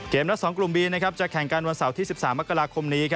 เกมรัฐสองกลุ่มบีจะแข่งกันวันเสาร์ที่๑๓อักราคมนี้